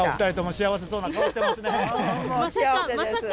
幸せです。